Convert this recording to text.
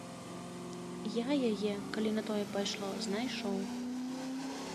Я яе, калі на тое пайшло, знайшоў.